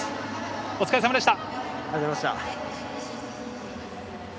お疲れさまでした。